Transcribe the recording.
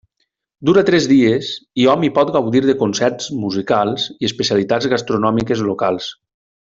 Dura tres dies i hom hi pot gaudir de concerts musicals i especialitats gastronòmiques locals.